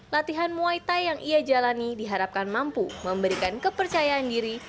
latihan muay thai yang ia jalani diharapkan mampu memberikan kepercayaan diri